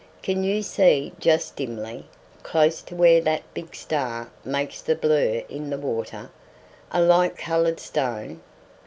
"Can you see just dimly, close to where that big star makes the blur in the water, a light coloured stone?"